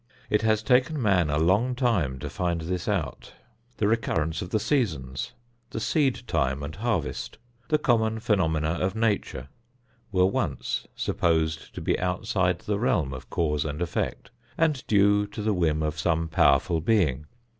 It has taken man a long time to find this out. The recurrence of the seasons, the seed time and harvest, the common phenomena of Nature, were once supposed to be outside the realm of cause and effect and due to the whim of some powerful being.